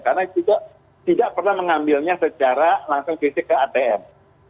karena kita tidak pernah mengambilnya secara langsung krisis ke atm